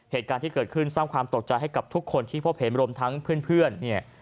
เหตุการณ์ที่เกิดขึ้นสร้างความตกใจให้กับทุกคนที่พบเห็นรวมทั้งเพื่อนเนี่ย